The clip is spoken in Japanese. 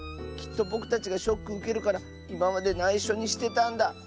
きっとぼくたちがショックうけるからいままでないしょにしてたんだ。